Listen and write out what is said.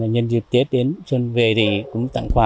nhân dịp tiết đến xuân về tặng quà